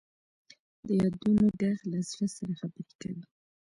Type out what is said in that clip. د یادونو ږغ له زړه سره خبرې کوي.